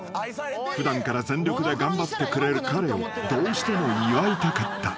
［普段から全力で頑張ってくれる彼をどうしても祝いたかった］